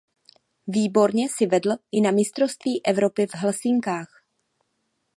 Výborně si vedl i na mistrovství Evropy v Helsinkách.